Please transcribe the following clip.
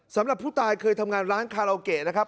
สำหรับผู้ตายเคยทำงานร้านคาราโอเกะนะครับ